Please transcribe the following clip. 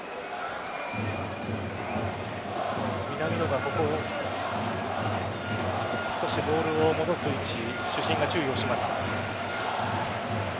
南野が少しボールを戻す位置主審が注意をします。